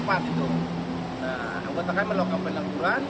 anggota kami melakukan pengaturan